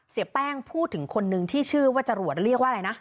เสียแป้งพูดถึงคนนึงที่ชื่อว่าจรวดเรียกว่าอะไรนะ